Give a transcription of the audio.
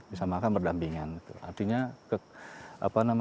bisa makan berdampingan artinya